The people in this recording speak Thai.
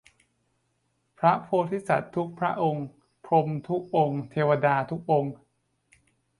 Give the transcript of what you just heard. พระโพธิสัตว์ทุกพระองค์ พรหมทุกองค์ เทวดาทุกองค์